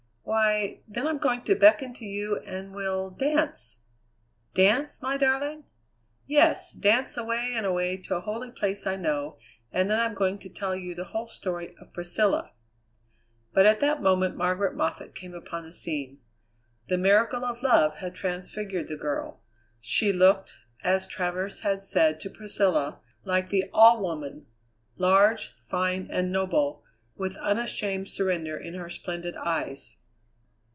"Why, then I'm going to beckon to you and we'll dance " "Dance, my darling?" "Yes, dance away and away to a holy place I know, and then I'm going to tell you the whole story of Priscilla " But at that moment Margaret Moffatt came upon the scene. The miracle of love had transfigured the girl. She looked, as Travers had said to Priscilla, like the All Woman: large, fine, and noble, with unashamed surrender in her splendid eyes.